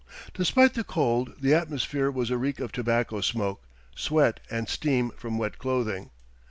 Despite the cold the atmosphere was a reek of tobacco smoke, sweat, and steam from wet clothing.